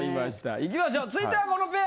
行きましょう続いてはこのペア！